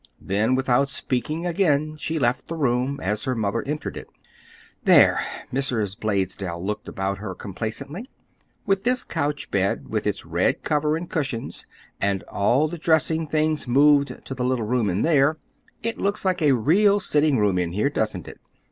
Then, without speaking again, she left the room, as her mother entered it. "There!" Mrs. Blaisdell looked about her complacently. "With this couch bed with its red cover and cushions, and all the dressing things moved to the little room in there, it looks like a real sitting room in here, doesn't it?"